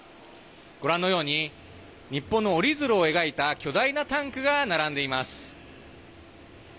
ご覧のように日本の折り鶴を描いた巨大なタンクが並んでいます。